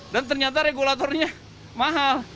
dan ternyata regulatornya mahal